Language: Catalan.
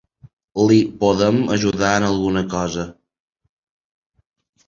Li podem ajudar en alguna cosa?